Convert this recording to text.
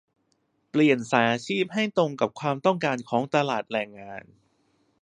เปลี่ยนสายอาชีพให้ตรงกับความต้องการของตลาดแรงงาน